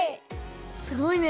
すごいね。